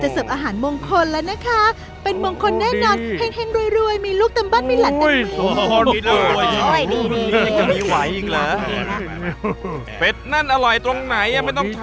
เสิร์ฟผัดขนาเห็ดหอม